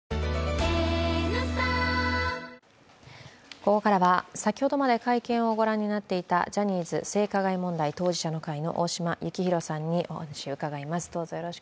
ここからは先ほどまで会見をご覧になっていたジャニーズ性加害問題当事者の会の大島幸広さんにお話を伺います。